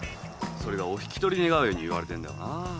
それがお引き取り願うように言われてんだよなあ。